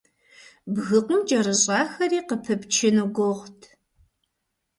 Бгыкъум кӀэрыщӀахэри къыпыпчыну гугъут.